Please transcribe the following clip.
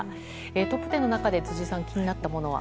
トップ１０の中で辻さん気になったのは？